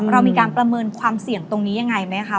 เรามีการประเมินความเสี่ยงตรงนี้ยังไงไหมคะ